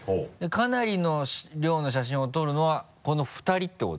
かなりの量の写真を撮るのはこの２人っていうこと？